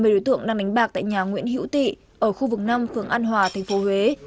một mươi đối tượng đang đánh bạc tại nhà nguyễn hữu tị ở khu vực năm phường an hòa tp huế